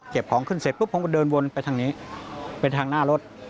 เก็บของขึ้นเสร็จพรุ่งก็เดินวนไปทางนี้เป็นทางหน้ารถ